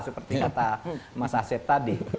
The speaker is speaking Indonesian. seperti kata mas asep tadi